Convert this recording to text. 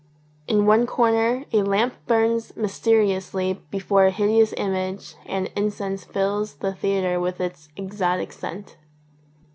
In one corner a lamp burns mysteriously before a hideous image and incense fills the theatre with its exotic scent.